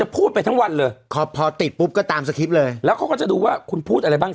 พูดไปทั้งวันเลยพอพอติดปุ๊บก็ตามสคริปต์เลยแล้วเขาก็จะดูว่าคุณพูดอะไรบ้าง